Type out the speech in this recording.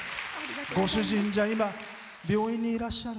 ご主人、今病院にいらっしゃる？